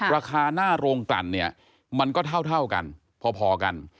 ราคาหน้าโรงกลั่นเนี่ยมันก็เท่ากันพอกัน